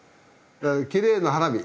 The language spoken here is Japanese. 「きれいな花火」。